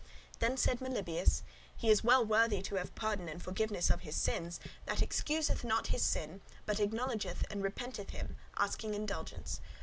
Then said Melibœus, "He is well worthy to have pardon and forgiveness of his sin, that excuseth not his sin, but acknowledgeth, and repenteth him, asking indulgence.